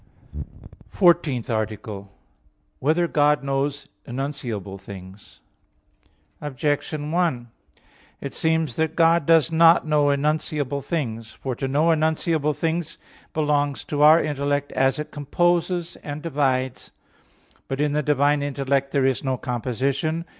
_______________________ FOURTEENTH ARTICLE [I, Q. 14, Art. 14] Whether God Knows Enunciable Things? Objection 1: It seems that God does not know enunciable things. For to know enunciable things belongs to our intellect as it composes and divides. But in the divine intellect, there is no composition.